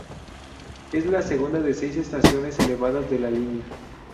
Es la segunda de seis estaciones elevadas de la línea.